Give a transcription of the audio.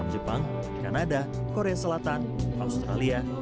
jepang kanada korea selatan australia